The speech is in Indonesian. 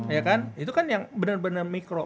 ya kan itu kan yang benar benar mikro